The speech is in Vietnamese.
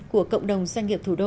của cộng đồng doanh nghiệp thủ đô